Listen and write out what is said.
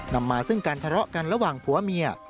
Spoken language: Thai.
นำมาซึ่งการทะเลาะกันระหว่างผัวเมีย